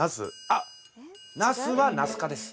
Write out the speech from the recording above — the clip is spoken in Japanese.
あっナスはナス科です。